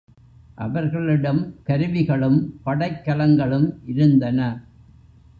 அவர்களிடம் கருவிகளும் படைக்கலங்களும் இருந்தன.